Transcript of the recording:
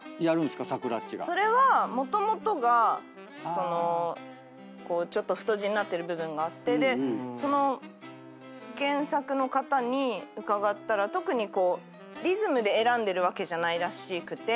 それはもともとがちょっと太字になってる部分があってその原作の方に伺ったら特にリズムで選んでるわけじゃないらしくて。